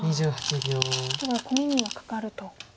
ただコミにはかかると。